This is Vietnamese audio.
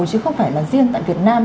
chứ không phải là riêng tại việt nam